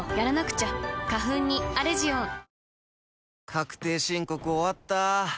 確定申告終わった。